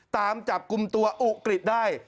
ตามจับกลุ่มตัวอุกฤษได้